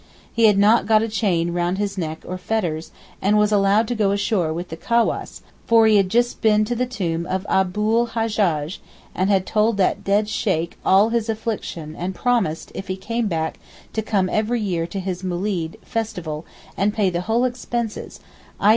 He had not got a chain round his neck or fetters, and was allowed to go ashore with the cawass, for he had just been to the tomb of Abou l Hajjaj and had told that dead Sheykh all his affliction and promised, if he came back safe, to come every year to his moolid (festival) and pay the whole expenses (_i.